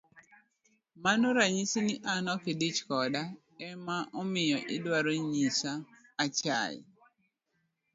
Mano ranyisi ni an okidich koda, ema omiyo idwaro nyisa achaye.